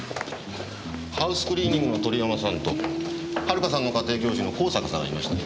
ハウスクリーニングの鳥山さんと遥さんの家庭教師の香坂さんがいましたね。